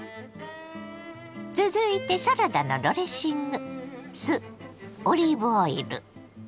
続いてサラダのドレッシング。